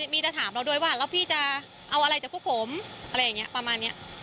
มีแต่ถามเราด้วยว่าแล้วพี่จะเอาอะไรจากพวกผมอะไรอย่างนี้ประมาณนี้